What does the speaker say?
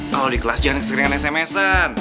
kalo di kelas jangan keseringan sms an